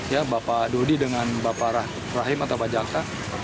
ya bapak dodi dengan bapak rahim atau bapak jaka